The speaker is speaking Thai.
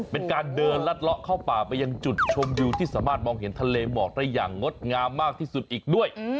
เป็นการเดินลัดเลาะเข้าป่าไปยังจุดชมวิวที่สามารถมองเห็นทะเลหมอกได้อย่างงดงามมากที่สุดอีกด้วย